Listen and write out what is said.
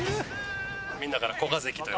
みんなから。